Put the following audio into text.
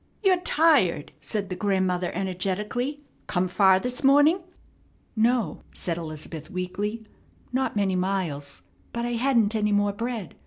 "You're tired," said the grandmother, energetically. "Come far this morning?" "No," said Elizabeth, weakly, "not many miles; but I hadn't any more bread.